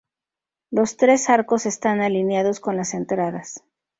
Los tres arcos están alineados con las entradas.